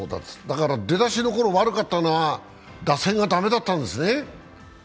出だしのころ悪かったのは、打線が駄目だったんですね。